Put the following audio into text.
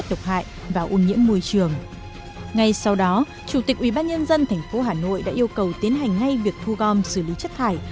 ngay sau đó chủ tịch ubnd tp hà nội đã yêu cầu tiến hành ngay việc thu gom xử lý chất thải